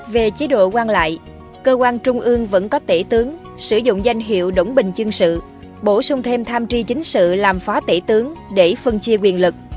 về chế độ quan lại cơ quan trung ương vẫn có tể tướng sử dụng danh hiệu đỗng bình chương sự bổ sung thêm tham tri chính sự làm phó tể tướng để phân chia quyền lực